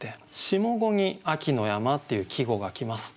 下五に「秋の山」っていう季語が来ます。